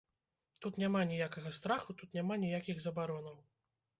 Тут няма ніякага страху, тут няма ніякіх забаронаў.